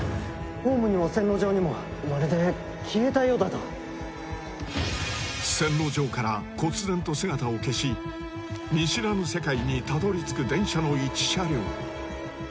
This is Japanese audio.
ホームにも線路上にもまるで消えたようだと線路上からこつ然と姿を消し見知らぬ世界にたどり着く電車の一車両